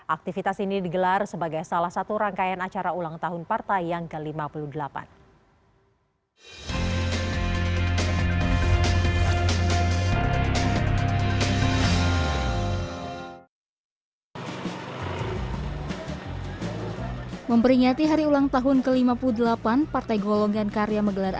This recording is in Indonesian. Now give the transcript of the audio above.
aktivitas ini digelar sebagai salah satu rangkaian acara ulang tahun partai yang ke lima puluh delapan